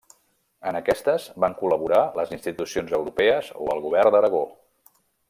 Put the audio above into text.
En aquestes van col·laborar les institucions europees o el Govern d'Aragó.